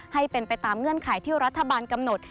ให้เป็นไปตามเงื่อนไขที่รัฐบาลกำหนด